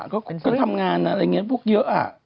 ก็ทำงานอะไรอย่างนี้พวกเยอะ